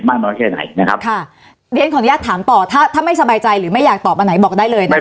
น้อยแค่ไหนนะครับค่ะเรียนขออนุญาตถามต่อถ้าถ้าไม่สบายใจหรือไม่อยากตอบอันไหนบอกได้เลยนะคะ